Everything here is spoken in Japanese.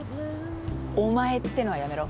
「お前」ってのはやめろ。